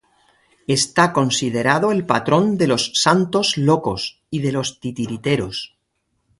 Está considerado el patrón de los "santos locos" y de los titiriteros.